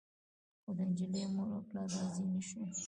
خو د نجلۍ مور او پلار راضي نه شول.